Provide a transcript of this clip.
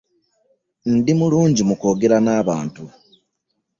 Ndi mulungi mu kwogera n'abantu.